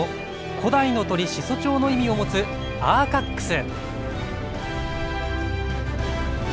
古代の鳥、始祖鳥の意味を持つアーカックス。